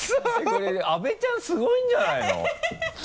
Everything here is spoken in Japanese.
これ阿部ちゃんすごいんじゃないの？